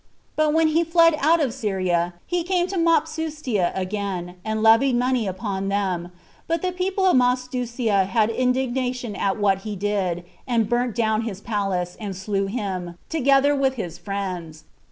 But when he fled out of Syria, he came to Mopsuestia again, and levied money upon them; but the people of Mopsuestia had indignation at what he did, and burnt down his palace, and slew him, together with his friends.